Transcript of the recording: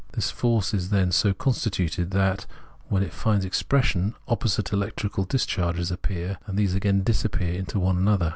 This force is, then, so constituted that, when it finds expression, opposite electrical dis charges appear, and these again disappear into one another.